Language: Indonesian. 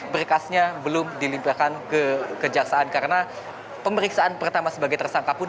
berkasnya belum dilimpahkan ke kejaksaan karena pemeriksaan pertama sebagai tersangka pun